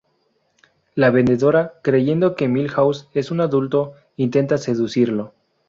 La vendedora, creyendo que Milhouse es un adulto, intenta seducirlo.